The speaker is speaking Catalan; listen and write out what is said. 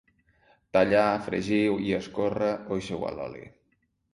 Tallar, fregir i escórrer o eixugar l’oli.